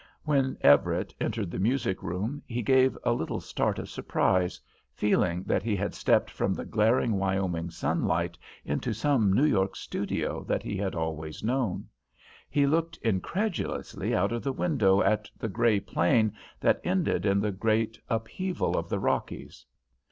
When Everett entered the music room he gave a little start of surprise, feeling that he had stepped from the glaring Wyoming sunlight into some New York studio that he had always known. He looked incredulously out of the window at the grey plain that ended in the great upheaval of the Rockies.